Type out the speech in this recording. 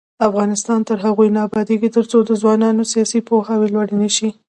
افغانستان تر هغو نه ابادیږي، ترڅو د ځوانانو سیاسي پوهاوی لوړ نشي.